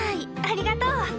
・ありがとう。